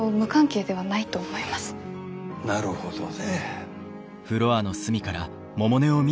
なるほどね。